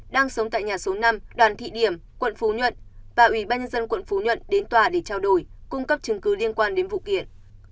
đang sống tại nhà số năm đoàn thị điểm quận phú nhuận và ủy ban nhân dân quận phú nhuận đến tòa để trao đổi cung cấp chứng cứ liên quan đến vụ kiện